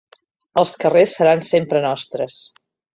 Els carrers seran sempre nostres.